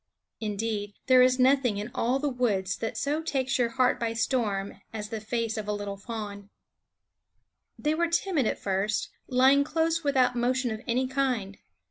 There is nothing in all the woods that so takes your heart by storm as the face of a little fawn. THE WOODS They were timid at first, lying close, with out motion of any kind.